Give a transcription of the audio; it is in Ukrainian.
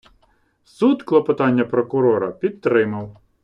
Суд клопотання прокурора підтримав.